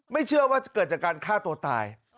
ไม่เชื่อว่าจะเกิดจากการฆ่าตัวตาย